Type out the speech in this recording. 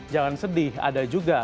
jangan sedih ada juga